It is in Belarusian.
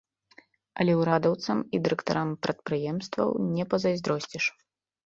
Але ўрадаўцам і дырэктарам прадпрыемстваў не пазайздросціш.